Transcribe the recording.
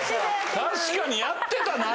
確かにやってたな。